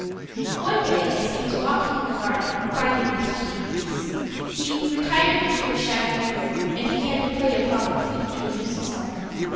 One day as he was walking in the garden, finding the heat increase, he retired into a shady grove and began to play upon the flute to amuse himself.